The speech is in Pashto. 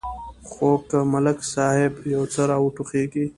خو که ملک صاحب یو څه را وټوخېږي.